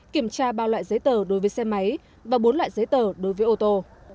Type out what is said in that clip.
kiểm tra ba loại giấy tờ đối với xe máy và bốn loại giấy tờ đối với ô tô